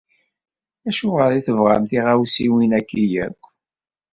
Acuɣer i tebɣam tiɣawsiwin-agi yakk?